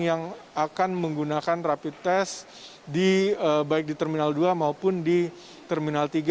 yang akan menggunakan rapid test baik di terminal dua maupun di terminal tiga